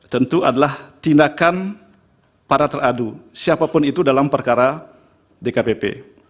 tentu adalah tindakan para teradu siapapun itu dalam perkara dkpp